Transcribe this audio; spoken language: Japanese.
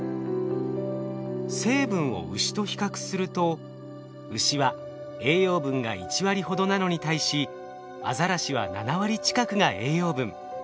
成分をウシと比較するとウシは栄養分が１割ほどなのに対しアザラシは７割近くが栄養分。